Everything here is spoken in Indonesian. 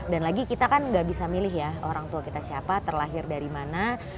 dan lagi kita kan nggak bisa milih ya orang tua kita siapa terlahir dari mana